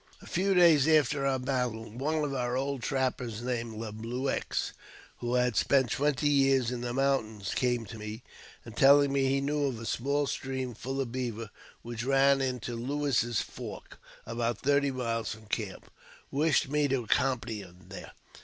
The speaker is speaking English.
A few days after our battle, one of our old trappers, named Lie Blueux, who had spent twenty years in the mountains, came to me, and telling me he knew of a small stream full of beaver which ran into Lewis's Fork, about thirty miles from camp, wished me to accompany him there.